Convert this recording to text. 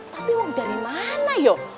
tapi uang dari mana yuk